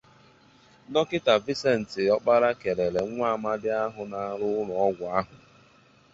Dọkịta Vincent Ọkpala kèlèrè nwa amadi ahụ na-arụ ụlọọgwụ ahụ